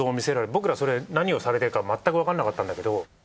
僕らそれ何をされてるかまったくわかんなかったんだけど。